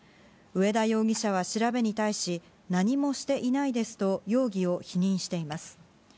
上田容疑者は調べに対し何もしていないですと容疑を否認しています。